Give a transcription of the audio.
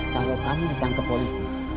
kalau kamu ditangkap polisi